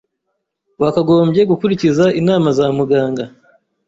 Wakagombye gukurikiza inama za muganga.